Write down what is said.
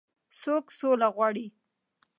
څوک سوله غواړي.